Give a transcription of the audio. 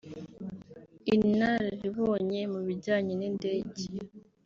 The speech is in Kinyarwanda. inararibonye mu bijyanye n’indege